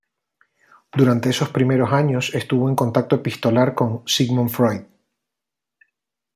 Durante esos primeros años estuvo en contacto epistolar con Sigmund Freud.